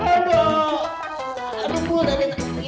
aduh bu tadi